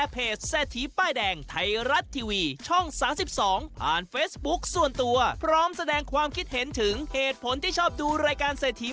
พร้อมแสดงความคิดเห็นถึงเหตุผลที่ชอบดูรายการเท่านี้